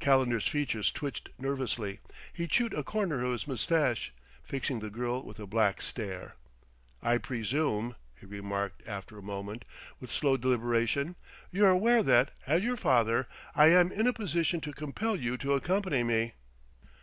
Calendar's features twitched nervously; he chewed a corner of his mustache, fixing the girl with a black stare. "I presume," he remarked after a moment, with slow deliberation, "you're aware that, as your father, I am in a position to compel you to accompany me."